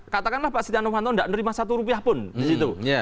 katakanlah pak setia novanto tidak menerima satu rupiah pun di situ